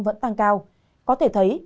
vẫn tăng cao có thể thấy